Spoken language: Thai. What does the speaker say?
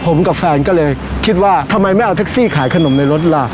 ผมกับแฟนก็เลยคิดว่าทำไมไม่เอาแท็กซี่ขายขนมในรถล่ะ